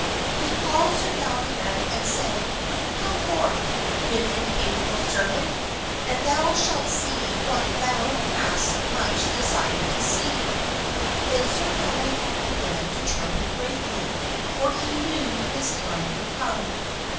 He called Sir Galahad and said, "Come forth, good and faithful servant, and thou shalt see what thou hast much desired to see." Then Sir Galahad began to tremble greatly, for he knew his time had come.